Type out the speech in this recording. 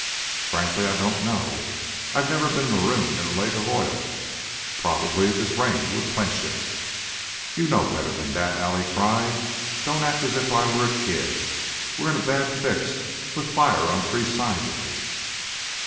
"Frankly, I don't know. I've never been marooned in a lake of oil. Probably this rain would quench it " "You know better than that!" Allie cried. "Don't act as if I were a kid. We're in a bad fix, with fire on three sides of us."